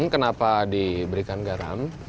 kenapa diberikan garam